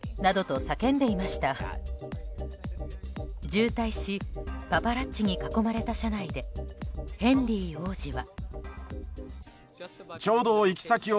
渋滞しパパラッチに囲まれた車内でヘンリー王子は。